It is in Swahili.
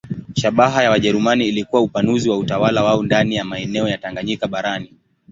Shabaha ya Wajerumani ilikuwa upanuzi wa utawala wao ndani ya maeneo ya Tanganyika barani.